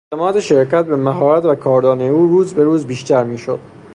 اعتماد شرکت به مهارت و کاردانی او روز به روز بیشتر میشد.